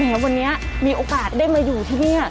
วันนี้มีโอกาสได้มาอยู่ที่นี่